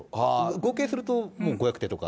合計すると、もう５００手とか。